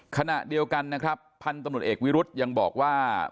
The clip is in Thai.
ขณะเดียวกันนะครับพันธุ์ตำรวจเอกวิรุธยังบอกว่า